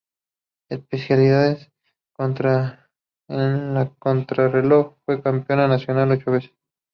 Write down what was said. Especialista en la contrarreloj, fue campeón nacional ocho veces.